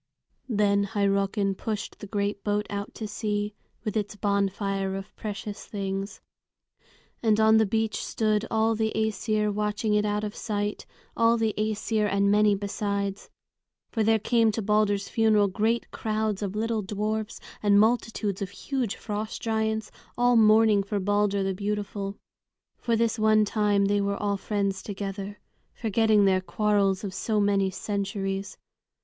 Then Hyrrockin pushed the great boat out to sea, with its bonfire of precious things. And on the beach stood all the Æsir watching it out of sight, all the Æsir and many besides. For there came to Balder's funeral great crowds of little dwarfs and multitudes of huge frost giants, all mourning for Balder the beautiful. For this one time they were all friends together, forgetting their quarrels of so many centuries.